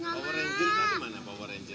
saya ada raw power ranger